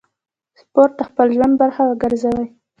سپورت د خپل ژوند برخه وګرځوئ.